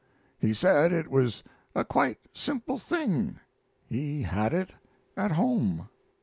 He said it was a quite simple thing he had it at home.